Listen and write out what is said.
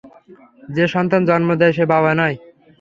যে সন্তান জন্ম দেয় সে বাবা নয়।